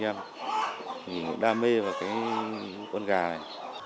mình cũng đam mê vào cái con gà này